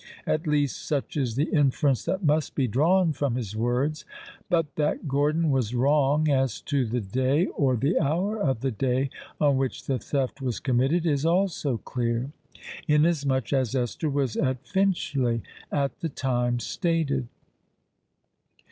At least such is the inference that must be drawn from his words. But that Gordon was wrong as to the day, or the hour of the day on which the theft was committed, is also clear; inasmuch as Esther was at Finchley at the time stated!